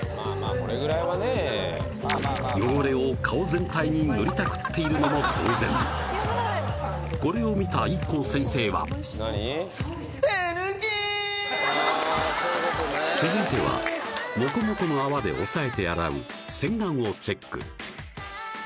これぐらいはね汚れを顔全体に塗りたくっているのも同然これを見たＩＫＫＯ先生はははははっ続いてはモコモコの泡で押さえて洗う洗顔をチェック